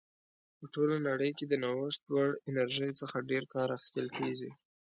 په ټوله نړۍ کې د نوښت وړ انرژیو څخه ډېر کار اخیستل کیږي.